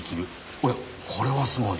おやこれはすごい。